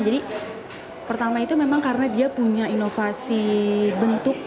jadi pertama itu memang karena dia punya inovasi bentuk